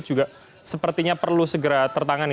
juga sepertinya perlu segera tertangani